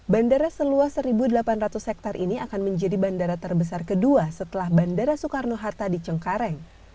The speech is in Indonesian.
bandara seluas satu delapan ratus hektare ini akan menjadi bandara terbesar kedua setelah bandara soekarno hatta di cengkareng